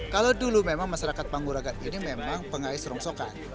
kalau dulu memang masyarakat pangguragat ini memang pengais rongsokan